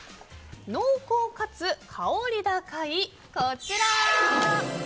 濃厚かつ香り高い、こちら。